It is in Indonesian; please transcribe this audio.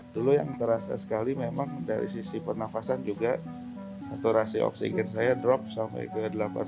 dulu yang terasa sekali memang dari sisi pernafasan juga saturasi oksigen saya drop sampai ke delapan belas